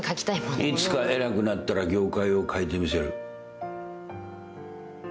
いつか偉くなったら業界を変えてみせる。